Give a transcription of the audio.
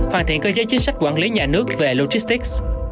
hoàn thiện cơ chế chính sách quản lý nhà nước về logistics